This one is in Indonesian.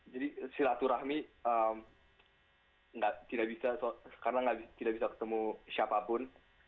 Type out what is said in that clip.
jadi silaturahmi karena tidak bisa ketemu siapapun